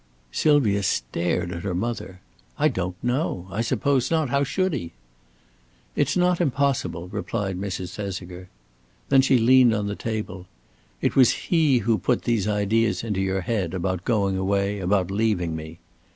Sylvia stared at her mother. "I don't know. I suppose not. How should he?" "It's not impossible," replied Mrs. Thesiger. Then she leaned on the table. "It was he who put these ideas into your head about going away, about leaving me."